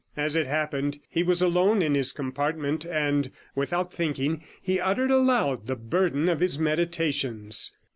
As it happened, he was alone in his compartment, and, without 83 thinking, he uttered aloud the burden of his meditations.